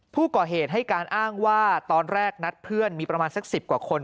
ผู้ก่อเหตุให้การอ้างว่าตอนแรกนัดเพื่อนมีประมาณสัก๑๐กว่าคน